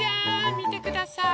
みてください！